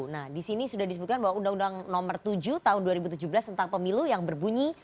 nah disini sudah disebutkan bahwa undang undang nomor tujuh tahun dua ribu tujuh belas tentang pemilu yang berbunyi